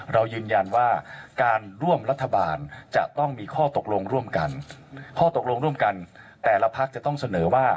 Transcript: เรายืนยันว่าการร่วมรัฐบาลจะต้องมีข้อตกลงร่วมกันข้อตกลงร่วมกันแต่ละพักจะต้องเสนอว่า